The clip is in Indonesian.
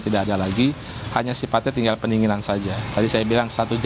maka kita bisa gunakan operasi itu dengan menggunakan peralatan robotik itu